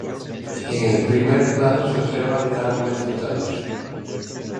En el primer plano se observan árboles frutales.